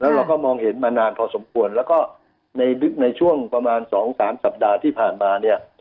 เราก็มองเห็นมานานพอสมควรแล้วก็ในช่วงประมาณ๒๓สัปดาห์ที่ผ่านมาเนี่ย